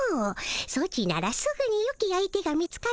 ソチならすぐによき相手が見つかると思うがの。